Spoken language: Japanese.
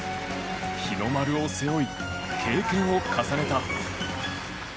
日の丸を背負い、経験を重ねた。